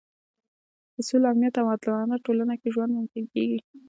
په سوله، امنیت او عادلانه ټولنه کې ژوند ممکن کېږي.